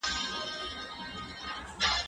زه هره ورځ پاکوالي ساتم!.